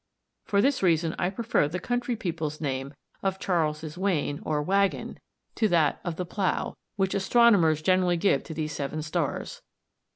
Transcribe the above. For this reason I prefer the country people's name of Charles's Wain or Waggon to that of the "Plough," which astronomers generally give to these seven stars.